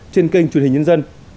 trên kênh chuyên hình nhân dân